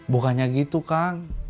bukannya gitu kang